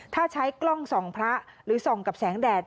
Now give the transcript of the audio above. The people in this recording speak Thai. ถ้าใช้กล้องส่องพระหรือส่องกับแสงแดด